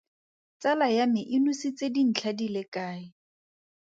Tsala ya me e nositse dintlha di le kae?